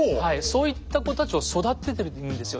そういった子たちを育ててるんですよ。